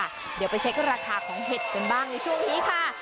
เดี๋ยวไปเช็คราคาของเห็ดกันบ้างในช่วงนี้ค่ะ